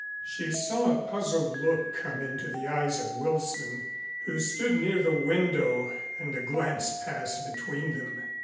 She saw a puzzled look come into the eyes of Wilson, who stood near the window, and a glance passed between them.